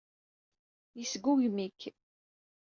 Yesgugem-ik.